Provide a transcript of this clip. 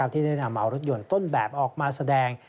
ที่ได้นำเอารถยนต์ต้นแบบออกมาแสดง